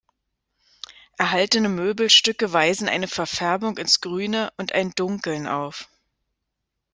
Erhaltene Möbelstücke weisen eine Verfärbung ins Grüne und ein Dunkeln auf.